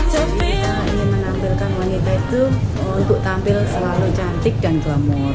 saya ingin menampilkan wanita itu untuk tampil selalu cantik dan glamor